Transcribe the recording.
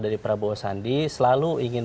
dari prabowo sandi selalu ingin